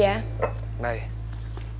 yaudah bye hati hati ya